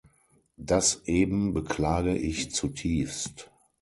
Das eben beklage ich zutiefst.